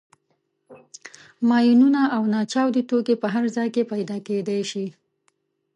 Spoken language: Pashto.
ماینونه او ناچاودي توکي په هر ځای کې پیدا کېدای شي.